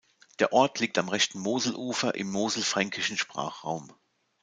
Der Ort liegt am rechten Moselufer im moselfränkischen Sprachraum.